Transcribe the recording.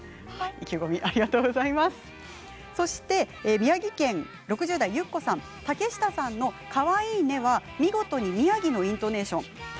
宮城県６０代の方竹下さんの、かわいいねは見事に宮城県のイントネーションです。